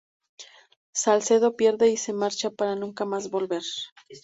Salcedo pierde y se marcha para nunca más volver.